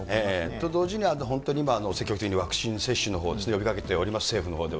と同時に、本当に今、積極的にワクチン接種のほうを呼びかけております、政府のほうでは。